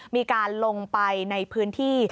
มีการลงไปในพื้นที่